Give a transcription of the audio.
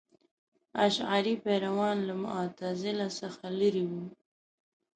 اشعري پیروان له معتزله څخه لرې وو.